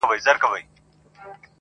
فکر بايد بدل سي ژر،